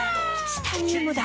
チタニウムだ！